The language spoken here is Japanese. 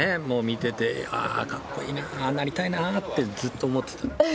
見ててかっこいいなああなりたいなってずっと思ってた。